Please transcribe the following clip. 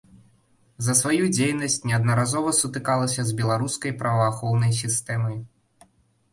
За сваю дзейнасць неаднаразова сутыкалася з беларускай праваахоўнай сістэмай.